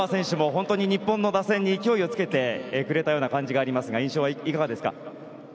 本当に日本の打線に勢いをつけてくれた感じがありますが印象はいかがですか？